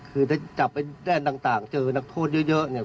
คือถ้าจับไปด้านต่างเจอนักโทษเยอะเนี่ย